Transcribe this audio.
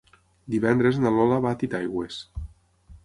Divendres na Lola va a Titaigües.